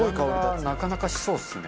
値段がなかなかしそうですね。